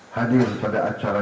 hadir pada acara